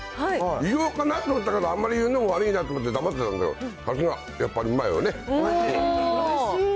言おうかなって思ったけど、あんまり言うのも悪いなと思って黙ってたんだけど、さすが、やっおいしい。